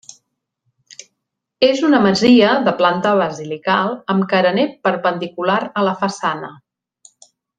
És una masia de planta basilical amb carener perpendicular a la façana.